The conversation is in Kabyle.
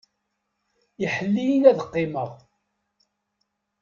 Iḥell-iyi ad qqimeɣ.